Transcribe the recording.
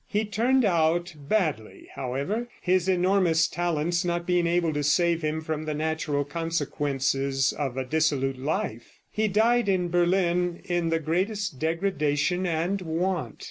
He turned out badly, however, his enormous talents not being able to save him from the natural consequences of a dissolute life. He died in Berlin in the greatest degradation and want.